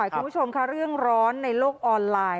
คุณผู้ชมค่ะเรื่องร้อนในโลกออนไลน์